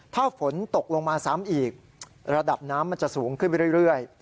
ถ้าฝนตกลงมาซ้ำอีกระดับน้ำมันจะสูงขึ้นไปเรื่อย